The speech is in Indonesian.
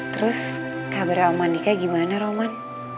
terus kabarnya om mandika gimana roman